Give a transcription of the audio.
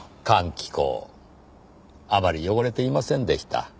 換気口あまり汚れていませんでした。